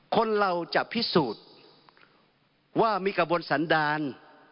คนเราจะพิสูจน์ว่ามีกระบวนสันดาล